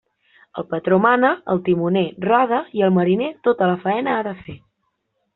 El patró mana, el timoner roda i el mariner tota la faena ha de fer.